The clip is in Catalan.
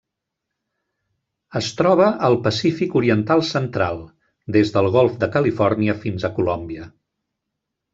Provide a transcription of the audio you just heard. Es troba al Pacífic oriental central: des del golf de Califòrnia fins a Colòmbia.